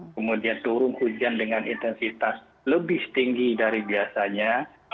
kemudian turun hujan dengan intensitas lebih tinggi dari biasanya